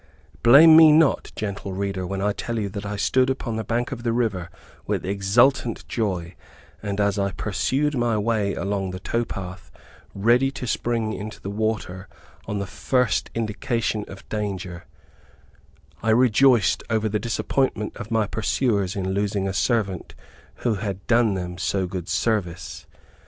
Blame me not gentle reader, when I tell you that I stood upon the bank of the river with exultant joy; and, as I pursued my way along the tow path, ready to spring into the water on the first indication of danger, I rejoiced over the disappointment of my pursuers in losing a servant who had done them so good service.